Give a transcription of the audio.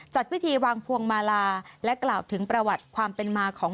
จัดพิธีวางพวงมาลาและกล่าวถึงประวัติความเป็นมาของ